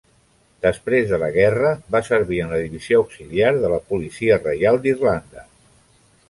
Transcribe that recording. Després de la guerra, va servir en la Divisió Auxiliar de la Policia Reial d'Irlanda.